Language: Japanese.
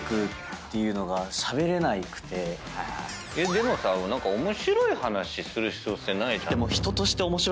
でもさ面白い話する必要性ないじゃん。